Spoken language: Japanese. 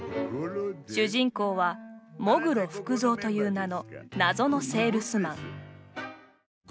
主人公は喪黒福造という名の謎のセールスマン。